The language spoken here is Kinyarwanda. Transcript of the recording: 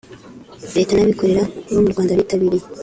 Leta n’abikorera bo mu Rwanda bitabiriye